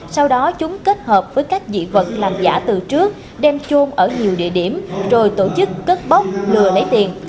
sau đó chúng kết hợp với các dị vật làm giả từ trước đem chôn ở nhiều địa điểm rồi tổ chức cất bóc lừa lấy tiền